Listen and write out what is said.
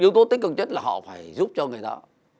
yếu tố tích cực chất là họ phải giúp cho người đó